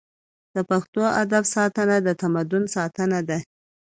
د پښتو ادب ساتنه د تمدن ساتنه ده.